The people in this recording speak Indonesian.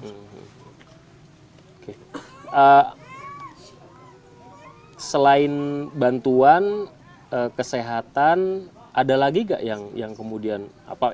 hmm oke selain bantuan kesehatan ada lagi gak yang kemudian apa